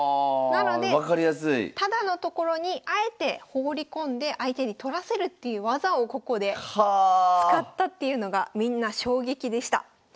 なのでタダの所にあえて放り込んで相手に取らせるっていう技をここで使ったっていうのがみんな衝撃でした。